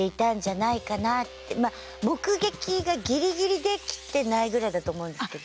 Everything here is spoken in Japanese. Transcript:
まあ目撃がギリギリできてないぐらいだと思うんですけど。